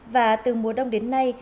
và từ mùa đông đến nay